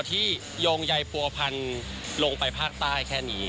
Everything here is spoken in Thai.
โยงใยผัวพันธุ์ลงไปภาคใต้แค่นี้